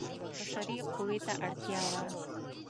بشري قوې ته اړتیا وه.